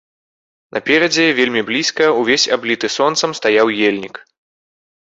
Наперадзе, вельмі блізка, увесь абліты сонцам, стаяў ельнік.